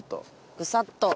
ぐさっと。